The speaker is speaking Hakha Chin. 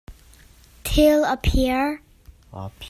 Thil a phiar.